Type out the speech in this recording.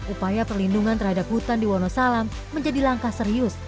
upaya perlindungan terhadap hutan di wonosalam menjadi langkah serius